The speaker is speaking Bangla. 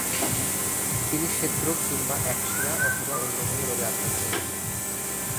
তিনি শ্বেত রোগ কিংবা একশিরা অথবা অন্য কোন রোগে আক্রান্ত রয়েছেন।